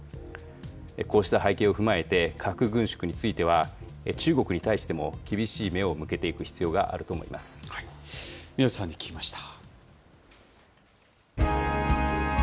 こうした背景を踏まえて、核軍縮については、中国に対しても、厳しい目を向けていく必要があると宮内さんに聞きました。